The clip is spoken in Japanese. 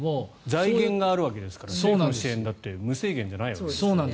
財源があるわけですから政府の支援だって無制限じゃないですから。